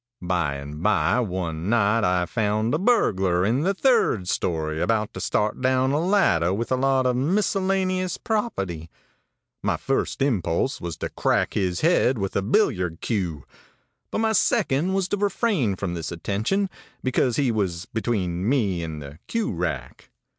By and by, one night, I found a burglar in the third story, about to start down a ladder with a lot of miscellaneous property. My first impulse was to crack his head with a billiard cue; but my second was to refrain from this attention, because he was between me and the cue rack.